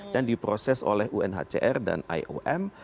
dan diproses oleh unhcr dan iom